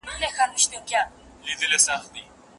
په واده بايد شاوخوا خلک خبر سي.